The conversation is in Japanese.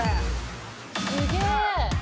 すげえ！